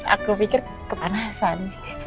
aku pikir kepanasan